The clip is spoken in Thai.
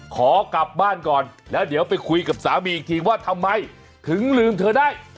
ขอกลับบ้านก่อนแล้วเดี๋ยวไปคุยกับสามีอีกทีว่าทำไมถึงลืมเธอได้